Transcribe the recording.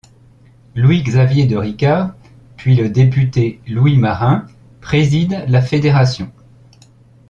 Louis-Xavier de Ricard, puis le député Louis Marin, préside la fédération.